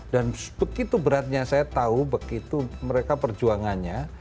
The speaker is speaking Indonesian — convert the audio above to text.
dan begitu beratnya saya tahu begitu mereka perjuangannya